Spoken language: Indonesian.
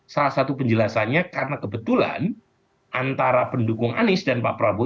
salah satu penjelasannya karena kebetulan antara pendukung anies dan pak prabowo